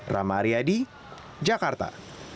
rama aryadi jakarta